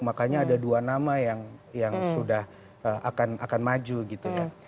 makanya ada dua nama yang sudah akan maju gitu kan